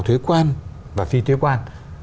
thuế quan và phi thuế quan